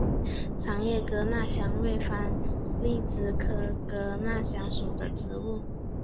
长叶哥纳香为番荔枝科哥纳香属的植物。